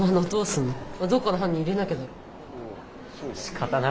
どっかの班に入れなきゃだろ？